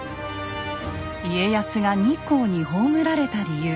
家康が日光に葬られた理由。